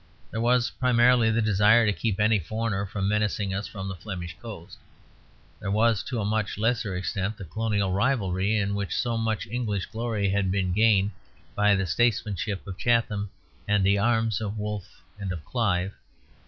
There was primarily the desire to keep any foreigner from menacing us from the Flemish coast; there was, to a much lesser extent, the colonial rivalry in which so much English glory had been gained by the statesmanship of Chatham and the arms of Wolfe and of Clive.